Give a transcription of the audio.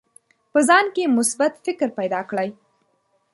په ځان کې مثبت فکر پیدا کړئ.